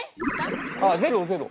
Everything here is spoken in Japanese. あっゼロゼロ！